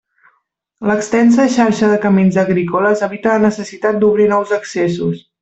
L'extensa xarxa de camins agrícoles evita la necessitat d'obrir nous accessos.